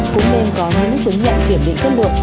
cũng nên có những chứng nhận kiểm định chất lượng